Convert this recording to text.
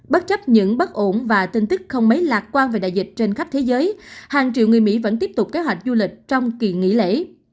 bất chấp những bất ổn và tin tức không mấy lạc quan về đại dịch trên khắp thế giới hàng triệu người mỹ vẫn tiếp tục kế hoạch du lịch trong kỳ nghỉ lễ